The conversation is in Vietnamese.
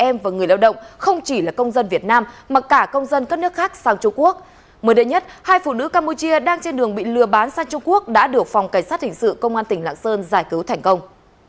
mới đến nhất hai phụ nữ campuchia đang trên đường bị lừa bán sang trung quốc đã được phòng cảnh sát hình sự công an tỉnh lạng sơn giải cứu thành công